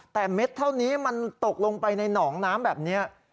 แต่เม็ดเท่านี้มันตกลงไปในหนองน้ำแบบนี้